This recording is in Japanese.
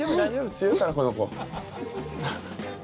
強いからこの子。